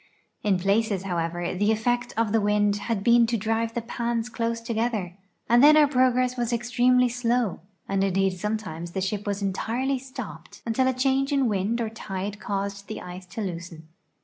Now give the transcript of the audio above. In places, however, the effect of the wind had been to drive the pans close together, and then our progress was extremely slow, and indeed sometimes the ship was entirely stopped until a change in wind or tide caused the ice to loosen.